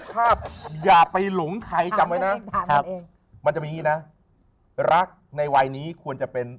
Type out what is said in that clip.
ถ้าอย่าไปหลงใครจำไว้นะมันจะมีอย่างนี้นะรักในวัยนี้ควรจะเป็น